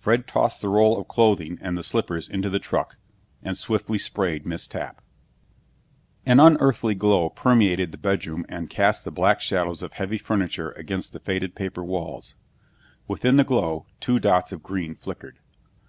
Fred tossed the roll of clothing and the slippers into the truck, and swiftly sprayed Miss Tapp. An unearthly glow permeated the bedroom and cast the black shadows of heavy furniture against the faded papered walls. Within the glow, two dots of green flickered.